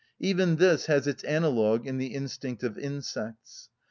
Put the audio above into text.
Even this has its analogue in the instinct of insects.